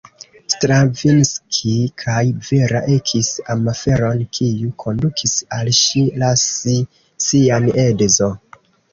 Stravinski kaj Vera ekis amaferon kiu kondukis al ŝi lasi sian edzon.